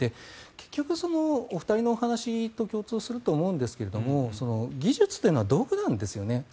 結局、お二人のお話と共通すると思うんですけど技術というのは道具なんですよね